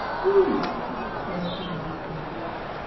Who?" says she, weakly.